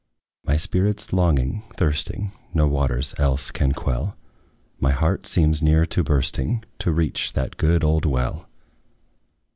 My spirit's longing, thirsting, No waters else can quell; My heart seems near to bursting To reach that good old well.